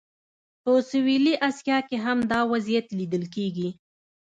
په سویلي اسیا کې هم دا وضعیت لیدل کېږي.